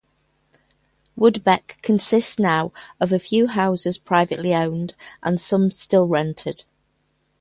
Woodbeck consists now of a few houses privately owned and some still rented.